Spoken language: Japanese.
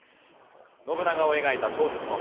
信長を描いた小説の作者。